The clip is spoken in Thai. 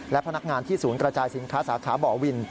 และพนักงานที่ศูนย์กระจายสินค้าสาขาบ่อวิน